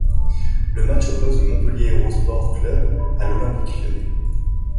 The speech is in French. Le match oppose le Montpellier Hérault Sport Club à l'Olympique Lyonnais.